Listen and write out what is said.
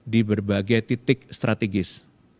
di berbagai titik strategis